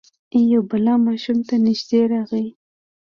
یو بلا ماشوم ته نژدې راغی.